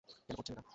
কেন করেছেন এটা?